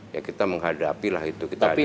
ya kita menghadapi lah itu kita hadapi